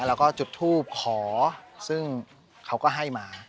แล้วก็จุดทูบขอซึ่งเขาก็ให้มา